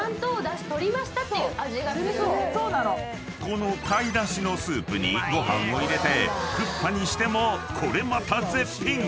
［この貝だしのスープにご飯を入れてクッパにしてもこれまた絶品！